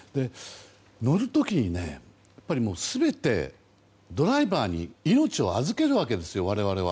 乗る時に全てドライバーに命を預けるわけですよ。